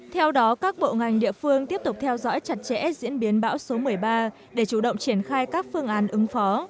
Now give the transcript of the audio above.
theo đó các bộ ngành địa phương tiếp tục theo dõi chặt chẽ diễn biến bão số một mươi ba để chủ động triển khai các phương án ứng phó